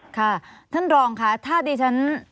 ค่ะท่านรองค่ะถ้าดิฉัน